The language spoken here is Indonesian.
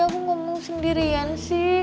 aku ngomong sendirian sih